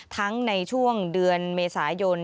ในช่วงเดือนเมษายน